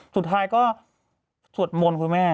สุดท้ายก็สวดมนต์คุณแม่